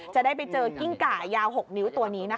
จะได้ไปเจอกิ้งก่ายาว๖นิ้วตัวนี้นะคะ